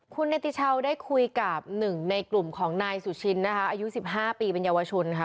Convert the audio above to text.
คุณเนติชาวได้คุยกับหนึ่งในกลุ่มของนายสุชินนะคะอายุ๑๕ปีเป็นเยาวชนค่ะ